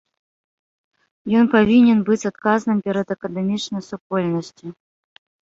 Ён павінен быць адказным перад акадэмічнай супольнасцю.